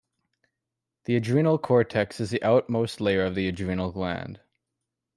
The adrenal cortex is the outermost layer of the adrenal gland.